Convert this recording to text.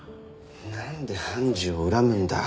なんで判事を恨むんだ。